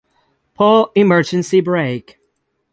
Pull emergency brake.